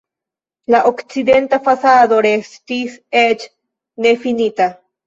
La okcidenta fasado restis eĉ nefinita.